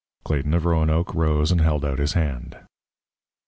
Clayton of Roanoke rose and held out his hand.